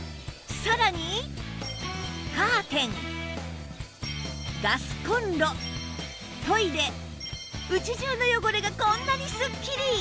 さらにカーテンガスコンロトイレ家中の汚れがこんなにすっきり！